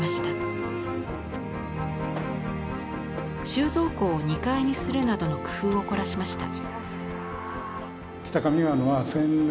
収蔵庫を２階にするなどの工夫を凝らしました。